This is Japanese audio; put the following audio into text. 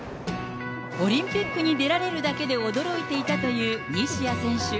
オリンピックに出られるだけで驚いていたという西矢選手。